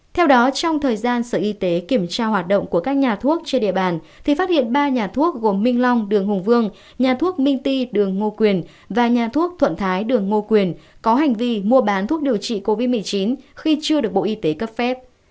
theo đó trong thời gian sở y tế kiểm tra hoạt động của các nhà thuốc trên địa bàn thì phát hiện ba nhà thuốc gồm minh long đường hùng vương nhà thuốc minh ti đường ngô quyền và nhà thuốc thuận thái đường ngô quyền có hành vi mua bán thuốc điều trị covid một mươi chín khi chưa được bộ y tế cấp phép